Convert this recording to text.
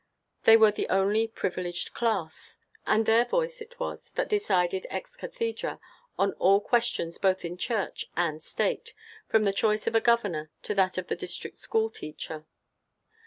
They were the only privileged class, and their voice it was that decided ex cathedra on all questions both in Church and State, from the choice of a Governor to that of the district school teacher.